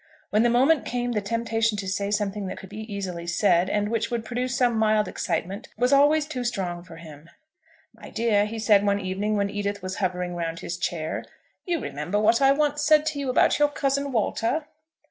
When the moment came the temptation to say something that could be easily said, and which would produce some mild excitement, was always too strong for him. "My dear," he said, one evening, when Edith was hovering round his chair, "you remember what I once said to you about your cousin Walter?"